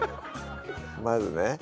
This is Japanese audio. まずね。